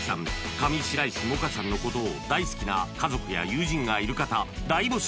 上白石萌歌さんのことを大好きな家族や友人がいる方大募集